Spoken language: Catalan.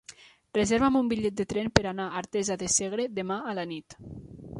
Reserva'm un bitllet de tren per anar a Artesa de Segre demà a la nit.